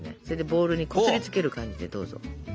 それでボウルにこすりつける感じでどうぞ。